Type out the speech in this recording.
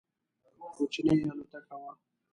کوچنۍ الوتکه وه.